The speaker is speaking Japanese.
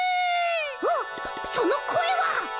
あっそのこえは！？